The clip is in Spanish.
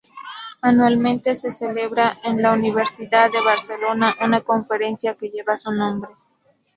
Anualmente se celebra en la Universidad de Barcelona una conferencia que lleva su nombre.